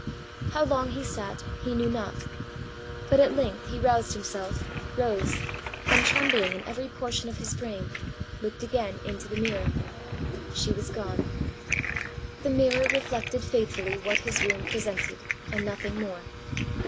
How long he sat he knew not; but at length he roused himself, rose, and, trembling in every portion of his frame, looked again into the mirror. She was gone. The mirror reflected faithfully what his room presented, and nothing more.